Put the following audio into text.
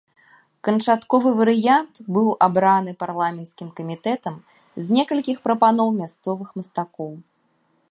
Канчатковы варыянт быў абраны парламенцкім камітэтам з некалькіх прапаноў мясцовых мастакоў.